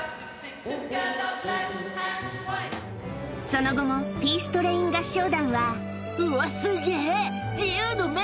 その後もピーストレイン合唱団はうわすげぇ！